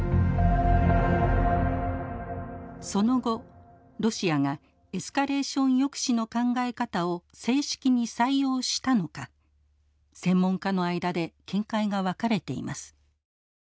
その後ロシアがエスカレーション抑止の考え方を正式に採用したのか専門家の間で見解が分かれています。